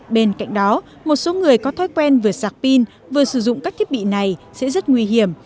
bên cạnh đó một số người có thói quen vừa sạc pin vừa sử dụng các thiết bị này sẽ rất nguy hiểm